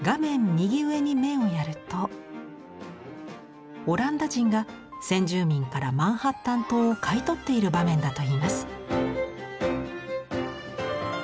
右上に目をやるとオランダ人が先住民からマンハッタン島を買い取っている場面だといいます。